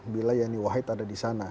bila yeni wahid ada di sana